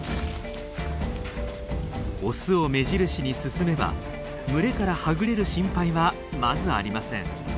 オスを目印に進めば群れからはぐれる心配はまずありません。